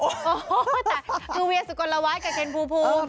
โอ้โฮแต่ดูเวียสุกนละวายกับเจนภูภูมิ